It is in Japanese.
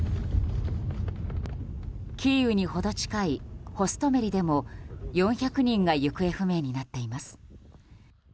キーウに程近いホストメリでも４００人が行方不明になっています。